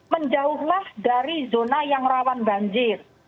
menjauhlah dari zona yang rawan banjir